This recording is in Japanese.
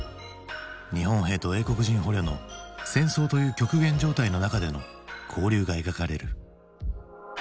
日本兵と英国人捕虜の戦争という極限状態の中での交流が描かれる。